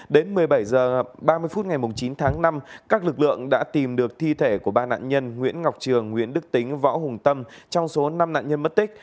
đến một mươi bảy h ba mươi phút ngày chín tháng năm các lực lượng đã tìm được thi thể của ba nạn nhân nguyễn ngọc trường nguyễn đức tính võ hùng tâm trong số năm nạn nhân mất tích